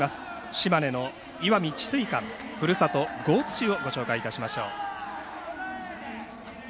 島根、石見智翠館のふるさと江津市をご紹介いたしましょう。